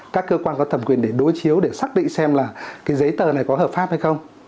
các cơ quan có thẩm quyền để đối chiếu để xác định xem là cái giấy tờ này có hợp pháp hay không